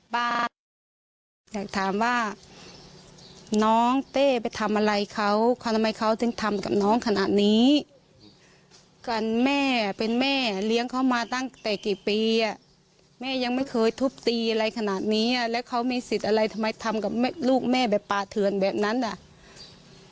แบบญาติเขาเหรอแบบเจ๊ไปทำอะไรให้เขาขนาดนั้นน่ะคืออยาก